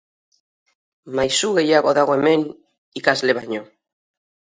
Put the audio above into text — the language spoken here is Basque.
Maisu gehiago dago hemen ikasle baino.